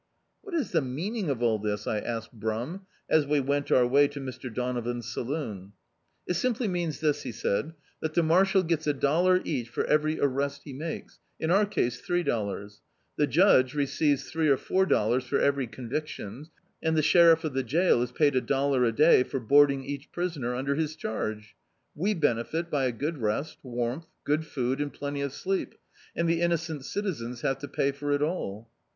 "What is the meaning of all this?" I asked Brum, as we went our way to Mr. Donovan's saloon. "It simply means this," he said, "that the marshal gets a dollar each for every arrest he makes — in our case three dollars; the judge receives three or four dollars for every conviction, and the sheriff of the jail is paid a dollar a day for boarding each prisoner imder his charge; we benefit by a good rest, warmth, good food and plenty of sleep, and the innocent citizens have to pay for it all."